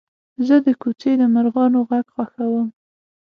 زه د کوڅې د مرغانو غږ خوښوم.